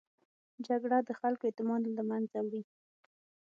جګړه د خلکو اعتماد له منځه وړي